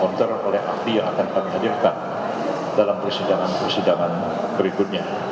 dan dikonter oleh ahli yang akan kami hadirkan dalam persidangan persidangan berikutnya